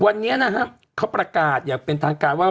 วันนี้นะฮะเขาประกาศอย่างเป็นทางการว่า